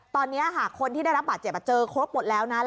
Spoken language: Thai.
ตอนนี้คนที่ได้รับบาดเจ็บเจอครบหมดแล้วนะ